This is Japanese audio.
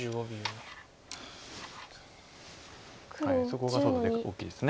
そこが大きいです。